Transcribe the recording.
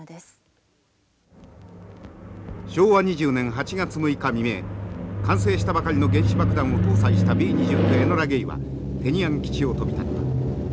昭和２０年８月６日未明完成したばかりの原子爆弾を搭載したＢー２９エノラ・ゲイはテニアン基地を飛び立った。